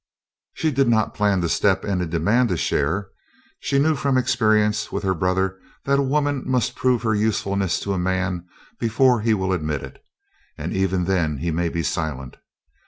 She did not plan to step in and demand a share; she knew from experience with her brother that a woman must prove her usefulness to a man before he will admit it, and even then he may be silent.